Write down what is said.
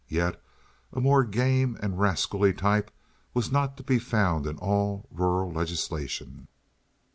Yet a more game and rascally type was not to be found in all rural legislation.